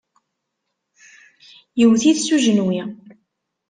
Yewwet-it s ujenwi.